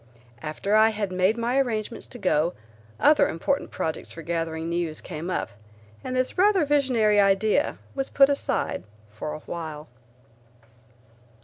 After I had made my arrangements to go, other important projects for gathering news came up, and this rather visionary idea was put aside for a while.